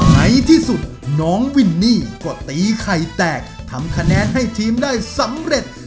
ในที่สุดน้องวินนี่ก็ตีไข่แตกทำคะแนนให้ทีมได้สำเร็จ